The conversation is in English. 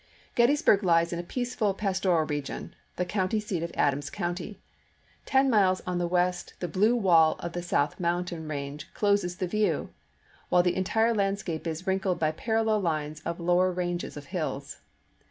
Gettysburg lies in a peaceful pastoral region, the county seat of Adams County. Ten miles on the west the blue wall of the South Mountain range closes the view, while the entire landscape is wrinkled by parallel lines of lower ranges of hills.